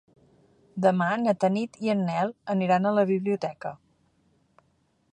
Demà na Tanit i en Nel aniran a la biblioteca.